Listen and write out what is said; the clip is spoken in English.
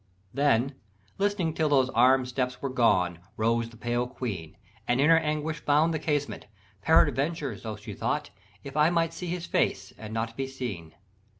Then, listening till those armed steps were gone, Rose the pale Queen, and in her anguish found The casement: 'peradventure,' so she thought, 'If I might see his face, and not be seen.'